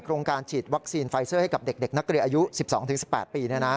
โรงการฉีดวัคซีนไฟเซอร์ให้กับเด็กนักเรียนอายุ๑๒๑๘ปี